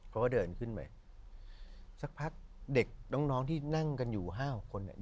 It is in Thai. เขาก็เดินขึ้นไปสักพักเด็กน้องน้องที่นั่งกันอยู่ห้าหกคนเนี่ย